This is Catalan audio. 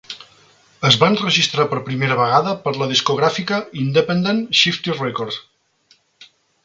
Es va enregistrar per primera vegada per la discogràfica independent Shifty Records.